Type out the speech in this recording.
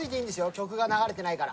曲が流れてないから。